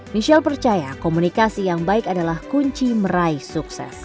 michelle percaya komunikasi yang baik adalah kunci meraih sukses